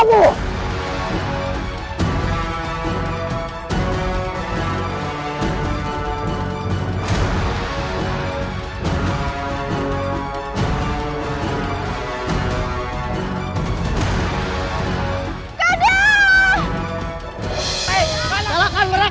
aku pasti akan membalasmu